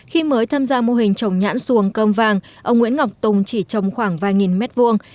khi mới tham gia mô hình trồng nhãn xuồng cơm vàng ông nguyễn ngọc tùng chỉ trồng khoảng vài nghìn mét vuông